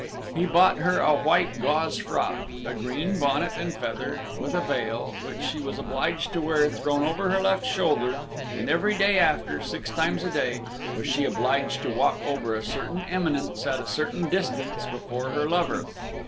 He bought her a white gauze frock, a green bonnet and feather, with a veil, which she was obliged to wear thrown over her left shoulder, and every day after, six times a day, was she obliged to walk over a certain eminence at a certain distance before her lover.